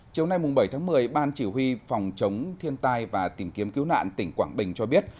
chiều nay bảy tháng một mươi ban chỉ huy phòng chống thiên tai và tìm kiếm cứu nạn tỉnh quảng bình cho biết